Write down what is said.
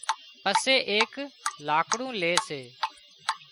پسي ايڪ لاڪڙون لي سي